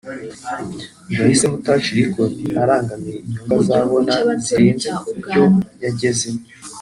ngo yahisemo Touch Records arangamiye inyunzu azabona zirenze ku byo yagezeho